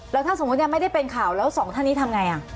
แล้วถ้าสมมุติยังไม่ได้เป็นข่าวแล้วสองท่านนี้ทำไง